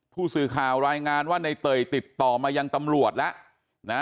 ผู้สื่อข่าวรายงานว่าในเตยติดต่อมายังตำรวจแล้วนะ